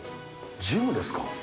ジムですか？